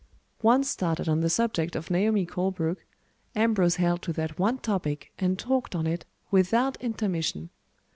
Once started on the subject of Naomi Colebrook, Ambrose held to that one topic and talked on it without intermission.